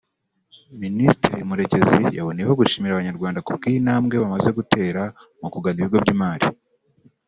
Minisitiri Murekezi yaboneyeho gushimira Abanyarwanda ku bw’iyi ntambwe bamaze gutera mu kugana ibigo by’imari